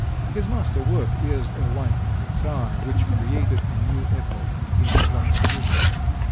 His master work is "A Life for the Czar," which created a new epoch in Russian music.